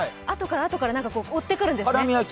あとからあとから追ってくるんですね。